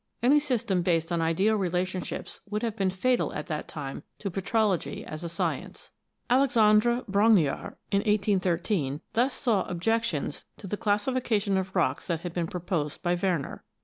Any system based on ideal relationships would have been fatal at that time to petrology as a science. Alexandre Bronguiart, in 1813, thus saw objections i] ON ROCKS IN GENERAL 3 to the classification of rocks that had been proposed by Werner.